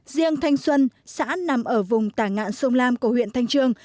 riêng thanh xuân xã nằm ở vùng tả ngạn sông lam của huyện thanh trương